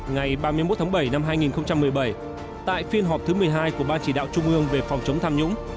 ngày ba mươi một tháng bảy năm hai nghìn một mươi bảy tại phiên họp thứ một mươi hai của ban chỉ đạo trung ương về phòng chống tham nhũng